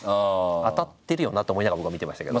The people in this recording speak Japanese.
当たってるよなと思いながら僕は見てましたけど。